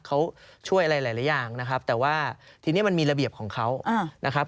เขาช่วยอะไรหลายอย่างนะครับแต่ว่าทีนี้มันมีระเบียบของเขานะครับ